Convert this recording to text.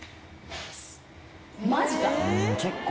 マジか。